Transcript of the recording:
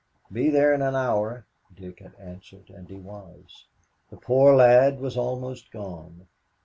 "Be there in an hour," Dick had answered and he was. The poor lad was almost gone.